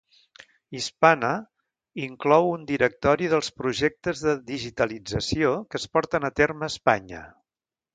Hispana inclou un directori dels projectes de digitalització que es porten a terme a Espanya.